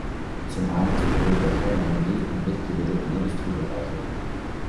Zum einen das Problem der Kernenergie und nicht geregelten Industriebereiche.